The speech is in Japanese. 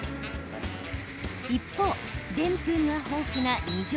一方、でんぷんが豊富な二条